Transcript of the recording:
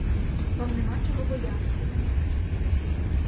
Вам нема чого боятися мене.